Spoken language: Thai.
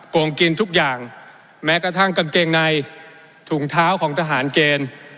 โกงกินทุกอย่างแม้กระทั่งกางเกงในถุงเท้าของทหารเกณฑ์